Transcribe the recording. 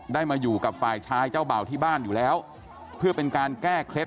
มาอยู่กับฝ่ายชายเจ้าเบ่าที่บ้านอยู่แล้วเพื่อเป็นการแก้เคล็ด